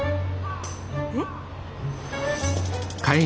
えっ？